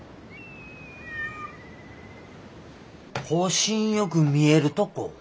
星んよく見えるとこ？